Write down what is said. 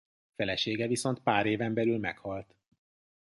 Felesége viszont pár éven belül meghalt.